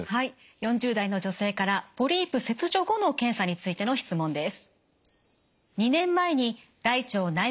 ４０代の女性からポリープ切除後の検査についての質問です。